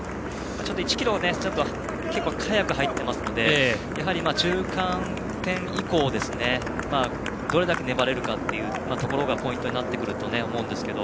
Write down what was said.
１ｋｍを結構、速く入っていますのでやはり中間点以降でどれだけ粘れるかがポイントになってくると思うんですけど。